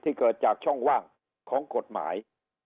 เกิดจากช่องว่างของกฎหมาย